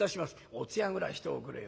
「お通夜ぐらいしておくれよ」。